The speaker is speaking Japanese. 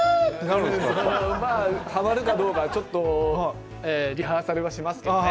まあはまるかどうかちょっとリハーサルはしますけどね。